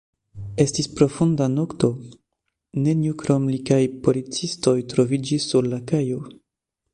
Estis profunda nokto, neniu krom li kaj policistoj troviĝis sur la kajo.